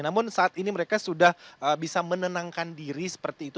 namun saat ini mereka sudah bisa menenangkan diri seperti itu